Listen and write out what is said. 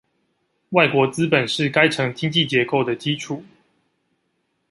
外國資本是該城經濟結構的基礎